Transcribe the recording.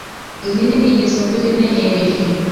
runini ningeso mbi bimenyereje